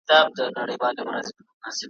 جهاني شپه مي تر پانوس پوري را ورسول ,